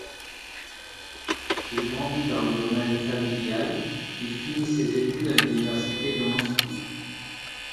Il grandit dans le domaine familial, il finit ses études à l'Université de Moscou.